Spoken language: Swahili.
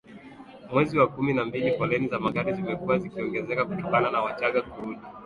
mwezi wa kumi na mbili foleni za magari zimekuwa zikiongezeka kutokana na Wachagga kurudi